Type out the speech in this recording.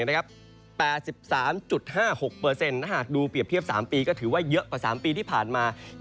ถ้า๘๓๕๖ถ้าหากดูเปรียบเทียบ๓ปีก็ถือว่าเยอะกว่า๓ปีที่ผ่านมา